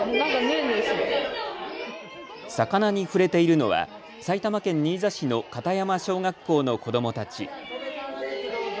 魚に触れているのは埼玉県新座市の片山小学校の子どもたち。